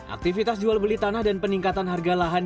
aktivitas jual beli tanah dan peningkatan harga lahan